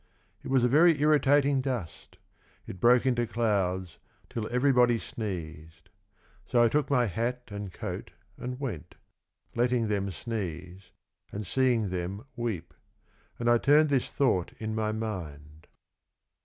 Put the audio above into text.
It was a very irritating dust, it broke into clouds, till everybody sneezed. So I took my hat and coat and went, letting them sneeze and seeing them weep — and I turned this thought in my mind.